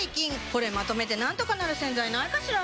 これまとめてなんとかなる洗剤ないかしら？